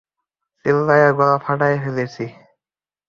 চিল্লায়া গলা ফাটায় ফেলছি।